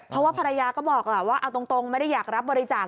เพราะว่าภรรยาก็บอกแหละว่าเอาตรงไม่ได้อยากรับบริจาค